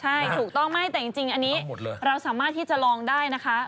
ใช่ถูกต้องไม่แต่จริงอันนี้เราสามารถที่จะลองได้นะคะ